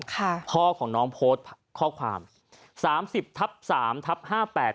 ค่ะพ่อของน้องโพสต์ข้อความสามสิบทับสามทับห้าแปด